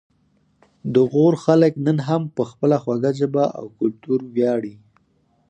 د غور خلک نن هم په خپله خوږه ژبه او کلتور ویاړي